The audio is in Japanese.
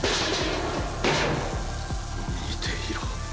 見ていろ。